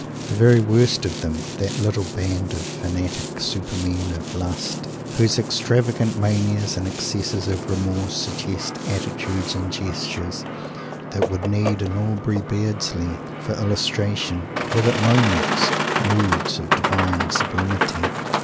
The very worst of them, that little band of fantastic super men of lust, whose extravagant manias and excesses of remorse suggest attitudes and gestures that would need an Aubrey Beardsley for illustration, have, at moments, moods of divine sublimity.